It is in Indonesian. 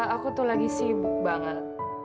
aku tuh lagi sibuk banget